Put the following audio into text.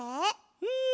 うん。